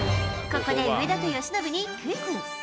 ここで上田と由伸にクイズ。